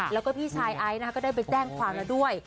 แล้วก็พี่ชายไอซ์ก็ได้ไปแจ้งความแล้วด้วย